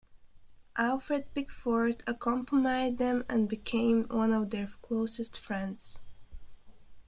Alfred Pickford accompanied them and became one of their closest friends.